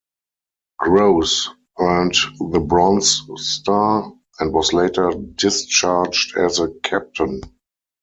Gross earned the Bronze Star, and was later discharged as a Captain.